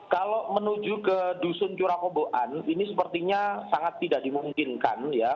kalau menuju ke dusun curakoboan ini sepertinya sangat tidak dimungkinkan ya